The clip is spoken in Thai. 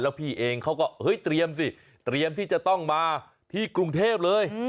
พี่เองเขาก็เฮ้ยเตรียมสิเตรียมที่จะต้องมาที่กรุงเทพเลย